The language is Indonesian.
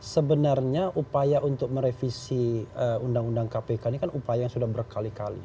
sebenarnya upaya untuk merevisi undang undang kpk ini kan upaya yang sudah berkali kali